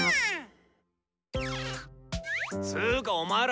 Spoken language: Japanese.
つーかお前ら！